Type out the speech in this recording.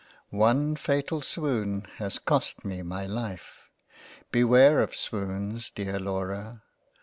. One fatal swoon has cost me my Life. . Beware of swoons Dear Laura.